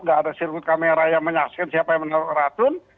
gak ada sirkut kamera yang menyaksikan siapa yang menerok ratun